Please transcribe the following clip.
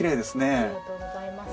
ありがとうございます。